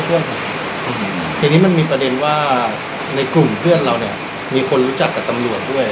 ทีนี้มันมีประเด็นว่าในกลุ่มเพื่อนเราเนี่ยมีคนรู้จักกับตำรวจด้วย